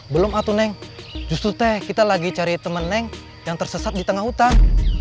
belum atu neng justru kita lagi cari temen neng yang tersesat di tengah hutan